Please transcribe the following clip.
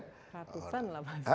ratusan lah mas